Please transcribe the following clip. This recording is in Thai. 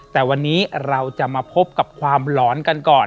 แต่วันนี้เราจะมาพบกับความหลอนกันก่อน